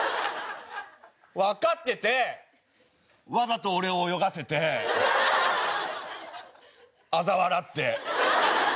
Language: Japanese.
わかっててわざと俺を泳がせてあざ笑って。